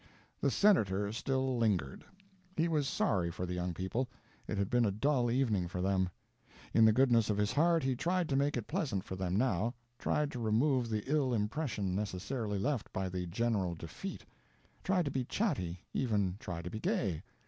The "Senator" still lingered. He was sorry for the young people; it had been a dull evening for them. In the goodness of his heart he tried to make it pleasant for them now; tried to remove the ill impression necessarily left by the general defeat; tried to be chatty, even tried to be gay.